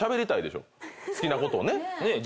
好きなことをね。